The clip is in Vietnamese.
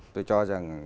tôi cho rằng